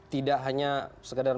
tidak hanya sekedar